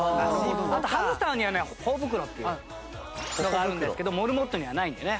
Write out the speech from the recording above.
あとハムスターにはね頬袋っていうのがあるんですけどモルモットにはないのでね。